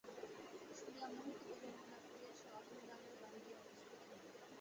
শুনিয়া মুহূর্ত বিলম্ব না করিয়া সে অধরলালের বাড়ি গিয়া উপস্থিত হইল।